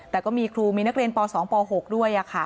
แต่ก็มีครูมีนักเรียนป๒ป๖ด้วย